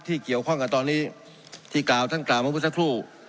ที่เกี่ยวข้องกับตอนนี้ที่กล่าวท่านกล่าวมาเมื่อสักครู่